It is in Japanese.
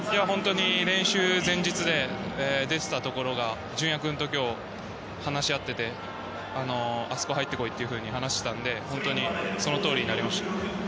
練習、前日で出ていたところを純也君と話し合っててあそこに入ってこいと話していたので本当にそのとおりになりました。